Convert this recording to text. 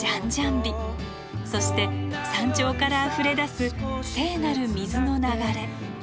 そして山頂からあふれ出す聖なる水の流れ。